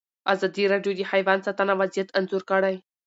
ازادي راډیو د حیوان ساتنه وضعیت انځور کړی.